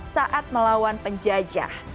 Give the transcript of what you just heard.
saat melawan penjajah